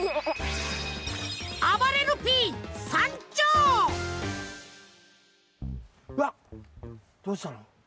うわっどうしたの？